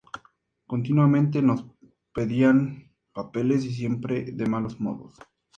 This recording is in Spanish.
Continuamente nos pedían papeles y siempre de malos modos.